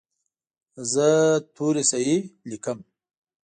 زه توري صحیح لیکم.